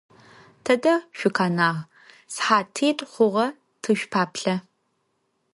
Тэдэ шъукъэнагъ? СыхьатитӀу хъугъэ тышъупаплъэ.